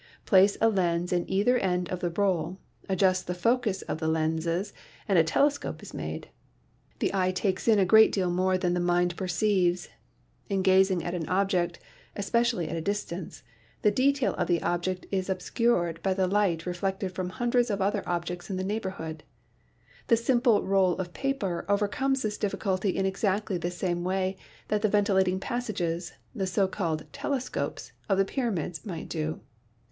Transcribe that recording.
Place a lens in either end of the roll, adjust the focus of the lenses and a telescope is made. The eye takes in a great deal more than the mind perceives. In gazing at an object, especially at a distance, the detail of the object is obscured by the light reflected from hundreds of other objects in the neighborhood. The simple roll of paper overcomes this difficulty in exactly the same way that the ventilating passages, the so called "tele scopes" of the pyramids, might do.